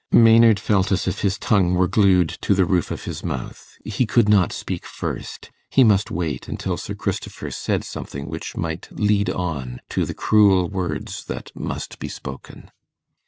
Maynard felt as if his tongue were glued to the roof of his mouth. He could not speak first: he must wait until Sir Christopher said something which might lead on to the cruel words that must be spoken.